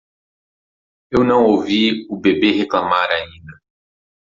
Eu não ouvi o bebê reclamar ainda.